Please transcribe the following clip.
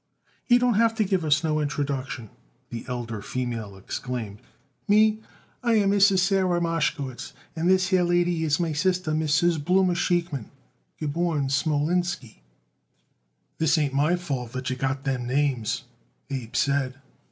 "He don't have to give us no introduction," the elder female exclaimed. "Me, I am Mrs. Sarah Mashkowitz, and this here lady is my sister, Mrs. Blooma Sheikman, geborn Smolinski." "That ain't my fault that you got them names," Abe said.